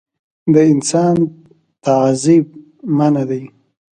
د انسان تعذیب منعه دی.